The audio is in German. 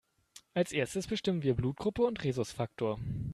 Als Erstes bestimmen wir Blutgruppe und Rhesusfaktor.